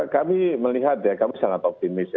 kami melihat ya kami sangat optimis ya